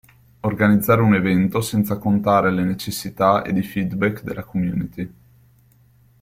Organizzare un evento senza contare le necessità ed i feedback della community.